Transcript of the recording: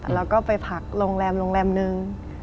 แล้วก็ไปพักโรงแรมนึง